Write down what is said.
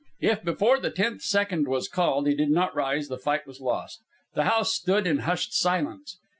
If before the tenth second was called, he did not rise, the fight was lost. The house stood in hushed silence.